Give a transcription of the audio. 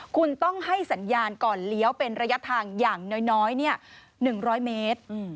คุณต้องให้สัญญาณก่อนเลี้ยวเป็นระยะทางอย่างน้อย๑๐๐เมตร